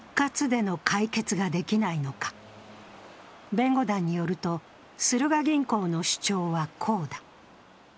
弁護団によると、スルガ銀行の主張はこうだ。